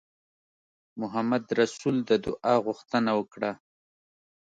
محمدرسول د دعا غوښتنه وکړه.